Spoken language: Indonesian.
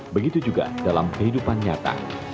begitu juga dalam kehidupan nyata